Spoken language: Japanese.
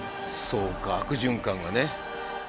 そうか悪循環がね。